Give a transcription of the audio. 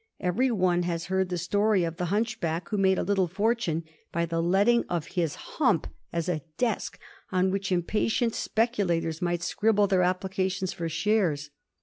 Every one has heard the story of the hunchback who made a little fortune by the letting of his hump as a desk on which impatient specu lators might scribble their applications for shares.